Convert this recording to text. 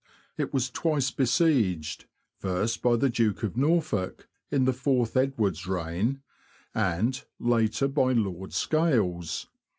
It was twice besieged — first by the Duke of Norfolk, in the fourth Edward's reign, and, later, by Lord Scales.